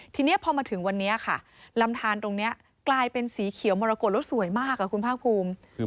ทีนี้พอมาถึงวันนี้ค่ะลำทานตรงนี้กลายเป็นสีเขียวมรกฏแล้วสวยมากคุณภาคภูมิ